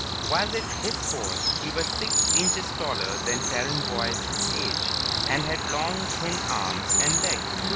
Was it his fault he was six inches taller than Terran boys his age, and had long, thin arms and legs?